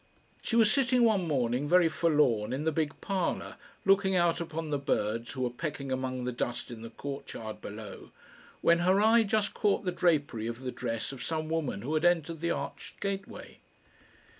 She was sitting one morning very forlorn in the big parlour, looking out upon the birds who were pecking among the dust in the courtyard below, when her eye just caught the drapery of the dress of some woman who had entered the arched gateway.